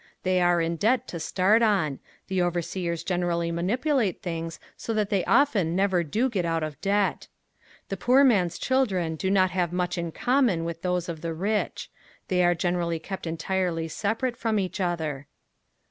They are in debt to start on; the overseers generally manipulate things so that they often never do get out of debt. The poor man's children do not have much in common with those of the rich. They are generally kept entirely separate from each other.